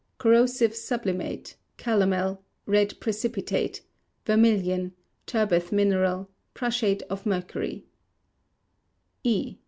(Corrosive sublimate; calomel; red precipitate; vermilion; turbeth mineral; prussiate of mercury.) E.